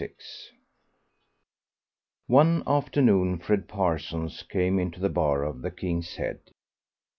XXXVI One afternoon Fred Parsons came into the bar of the "King's Head."